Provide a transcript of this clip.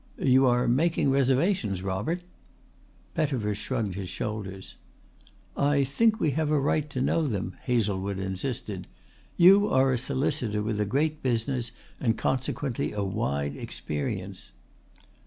"You are making reservations, Robert?" Pettifer shrugged his shoulders. "I think we have a right to know them," Hazlewood insisted. "You are a solicitor with a great business and consequently a wide experience."